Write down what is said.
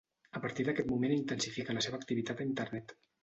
A partir d'aquest moment intensifica la seva activitat a internet.